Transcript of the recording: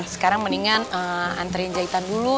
sekarang mendingan antrian jahitan dulu